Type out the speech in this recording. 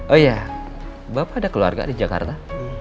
oh iya bapak ada keluarga di jakarta